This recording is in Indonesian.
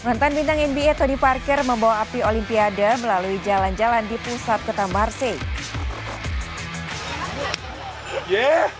mantan bintang nba tony parkir membawa api olimpiade melalui jalan jalan di pusat kota marsik